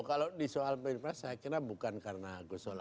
kalau di soal pilpres saya kira bukan karena ghosnola